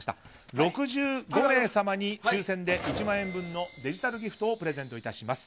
６５名様に、抽選で１万円分のデジタルギフトをプレゼントいたします。